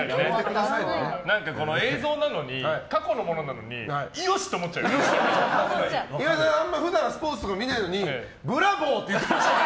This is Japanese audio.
何か、映像なのに過去のものなのに岩井さん、あんまり普段スポーツとか見ないのにブラボー！って言ってましたね。